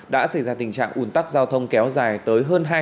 đã xảy ra tình trạng ủn tắc giao thông kéo dài tới hơn hai km